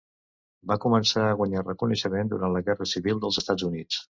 Va començar a guanyar reconeixement durant la Guerra Civil dels Estats Units.